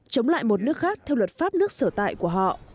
chống lại một nước khác theo luật pháp nước sở tại của họ